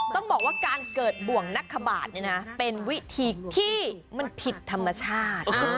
ต้องบอกว่าการเกิดบ่วงนักขบาทเป็นวิธีที่มันผิดธรรมชาติ